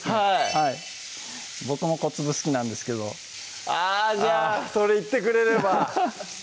はい僕も小粒好きなんですけどあじゃあそれ言ってくれればハハハ